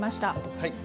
はい。